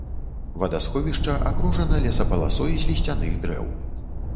Вадасховішча акружана лесапаласой з лісцяных дрэў.